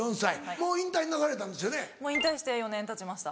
もう引退して４年たちました。